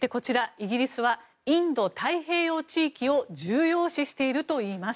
イギリスはインド太平洋地域を重要視しているといいます。